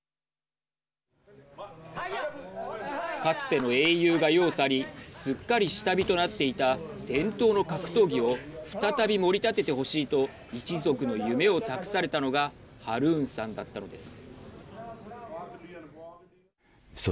かつての英雄が世を去りすっかり下火となっていた伝統の格闘技を再び盛り立ててほしいと一族の夢を託されたのがハルーンさんだったのです。